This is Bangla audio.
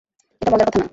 এটা মজার কথা না।